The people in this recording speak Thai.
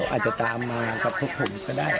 อาจจะตามมาที่ตรงคนที่ได้